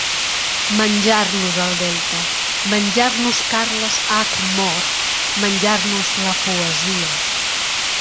Menjar-nos el Delta, menjar-nos Carles Hac-mor, menjar-nos la poesia.